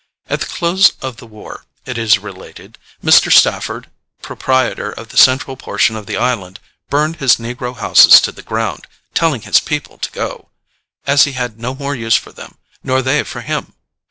At the close of the war, it is related, Mr. Stafford, proprietor of the central portion of the island, burned his negro houses to the ground, telling his people to go, as he had no more use for them nor they for him.